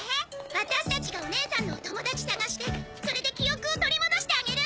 私たちがおねえさんのお友達探してそれで記憶を取り戻してあげる！